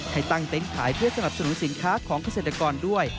ให้ตั้งเต็นต์ขายเพื่อสนับสนุนสินค้าของเกษตรกรด้วย